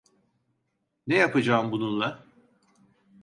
Ne yapacağım bununla?